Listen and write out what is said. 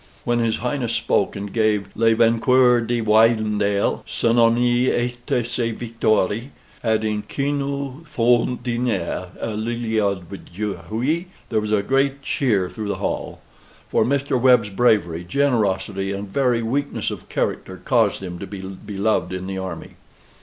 When his Highness spoke, and gave "Le vainqueur de Wynendael; son armee et sa victoire," adding, "qui nous font diner a Lille aujourd'huy" there was a great cheer through the hall; for Mr. Webb's bravery, generosity, and very weaknesses of character caused him to be beloved in the army.